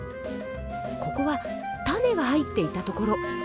ここは種が入っていたところ。